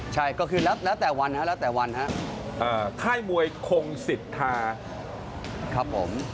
ใช่ก็คือเวลาแต่วันครับ